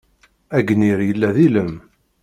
Agnir yella d ilem.